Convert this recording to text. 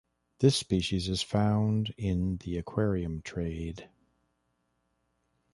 This species is found in the aquarium trade.